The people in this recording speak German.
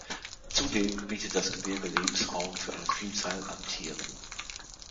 Zudem bietet das Gebirge Lebensraum für eine Vielzahl an Tieren.